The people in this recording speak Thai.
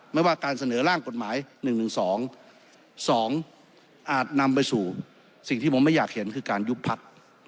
ไม่ว่าการเสนอร่างกฎหมาย๑๑๒๒อาจนำไปสู่สิ่งที่ผมไม่อยากเห็นคือการยุบพัก